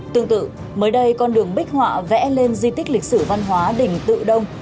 tương tự mới đây con đường bích họa vẽ lên di tích lịch sử văn hóa đình tự đông